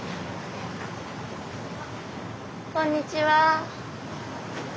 こんにちは。